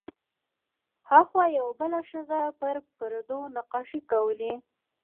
هاخوا یوه بله ښځه پر پردو نقاشۍ کولې.